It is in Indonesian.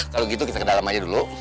kalau gitu kita ke dalam aja dulu